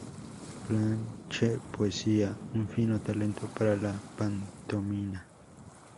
Blanche poseía un fino talento para la pantomima.